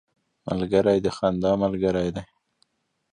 ملګری د خندا ملګری دی